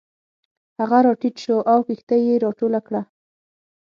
هغه راټیټ شو او کښتۍ یې راټوله کړه.